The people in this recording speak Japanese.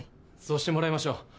そうしてもらいましょう。